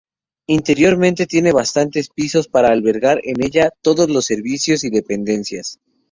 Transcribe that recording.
Interiormente tiene bastantes pisos para albergar en ella todos los servicios y dependencias.